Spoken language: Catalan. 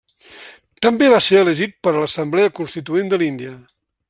També va ser elegit per a l'Assemblea constituent de l'Índia.